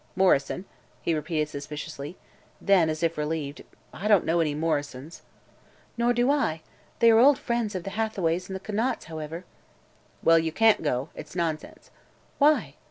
Morrison?" he repeated suspiciously. Then, as if relieved: "I don't know any Morrisons." "Nor do I. They are old friends of the Hathaways and the Conants, however." "Well, you can't go. It's nonsense." "Why?"